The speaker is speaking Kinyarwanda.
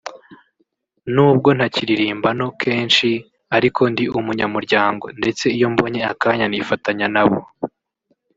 nubwo ntakiririmbano kenshi ariko ndi umunyamuryango ndetse iyo mbonye akanya nifatanya nabo